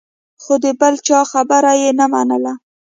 خو د بل چا خبره یې نه منله.